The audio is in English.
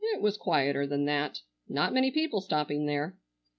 It was quieter than that. Not many people stopping there."